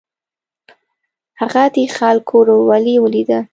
هغه د خلکو ورورولي ولیده.